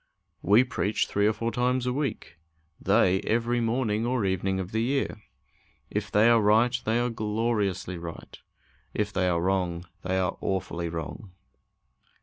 We preach three or four times a week; they every morning or evening of the year. If they are right, they are gloriously right; if they are wrong, they are awfully wrong.